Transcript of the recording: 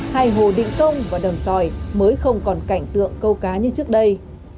hai hồ định công và đầm sòi mới không còn cảnh tượng câu cá như trước đây